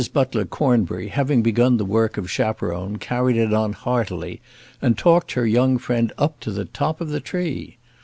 Butler Cornbury having begun the work of chaperon carried it on heartily, and talked her young friend up to the top of the tree.